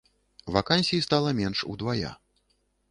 Вакансій стала менш удвая.